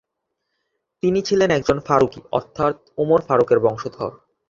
তিনি ছিলেন একজন ফারুকি অর্থাৎ উমর ফারুকের বংশধর।